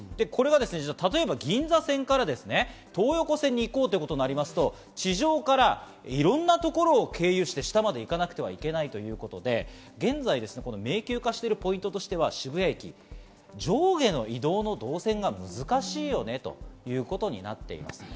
例えば銀座線から東横線に行こうとなると、地上からいろんな所を経由して下までいかなくてはいけないということで現在、迷宮化しているポイントとしては渋谷駅、上下の移動の動線が難しいよねということです。